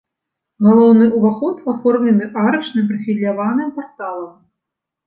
Галоўны ўваход аформлены арачным прафіляваным парталам.